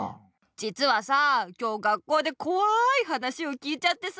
じつはさ今日学校でこわい話を聞いちゃってさ。